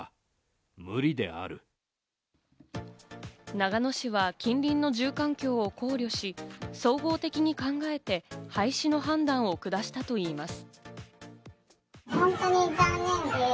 長野市は近隣の住環境を考慮し、総合的に考えて廃止の判断を下したといいます。